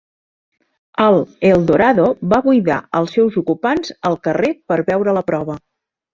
El Eldorado va buidar els seus ocupants al carrer per veure la prova.